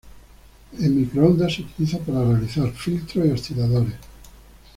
En microondas se utilizan para realizar filtros y osciladores.